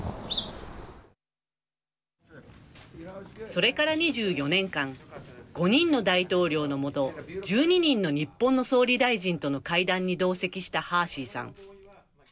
それから２４年間５人の大統領のもと１２人の日本の総理大臣との会談に同席したハーシーさん。